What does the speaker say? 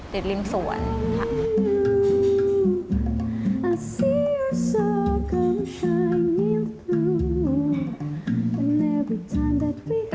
ติดลิมสวนค่ะ